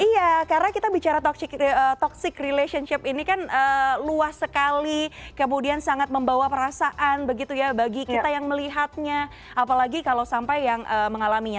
iya karena kita bicara toxic relationship ini kan luas sekali kemudian sangat membawa perasaan begitu ya bagi kita yang melihatnya apalagi kalau sampai yang mengalaminya